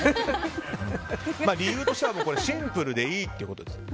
理由としてはシンプルでいいということです。